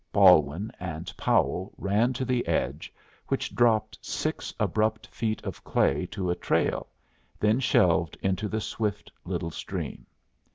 Balwin and Powell ran to the edge, which dropped six abrupt feet of clay to a trail, then shelved into the swift little stream.